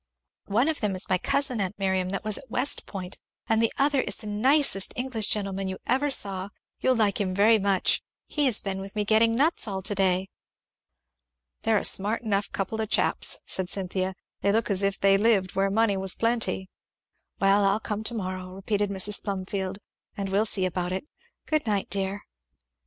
"One of them is my cousin, aunt Miriam, that was at West Point, and the other is the nicest English gentleman you ever saw you will like him very much he has been with me getting nuts all to day." "They're a smart enough couple of chaps," said Cynthia; "they look as if they lived where money was plenty." "Well I'll come to morrow," repeated Mrs. Plumfield, "and we'll see about it. Good night, dear!"